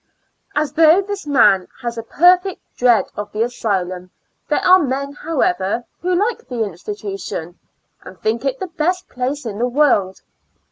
And though this man has a perfect dread of the asylum, there are men, however^ who like the institution, and think it the best place in the world.